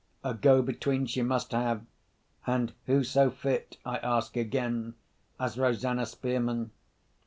A go between she must have, and who so fit, I ask again, as Rosanna Spearman?